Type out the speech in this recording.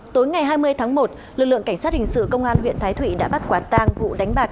tối ngày hai mươi tháng một lực lượng cảnh sát hình sự công an huyện thái thụy đã bắt quả tang vụ đánh bạc